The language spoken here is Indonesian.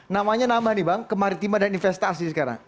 namanya nama nih bang kemaritima dan investasi sekarang